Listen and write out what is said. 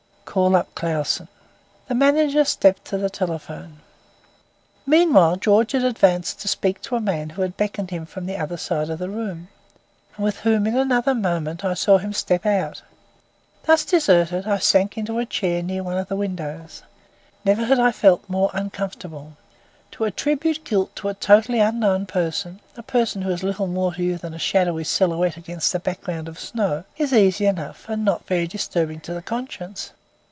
"Call up Clausen." The manager stepped to the telephone. Meanwhile, George had advanced to speak to a man who had beckoned to him from the other side of the room, and with whom in another moment I saw him step out. Thus deserted, I sank into a chair near one of the windows. Never had I felt more uncomfortable. To attribute guilt to a totally unknown person a person who is little more to you than a shadowy silhouette against a background of snow is easy enough and not very disturbing to the conscience.